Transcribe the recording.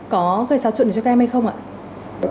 có gây sao chuẩn cho các em hay không ạ